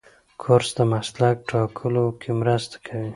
کورس د مسلک ټاکلو کې مرسته کوي.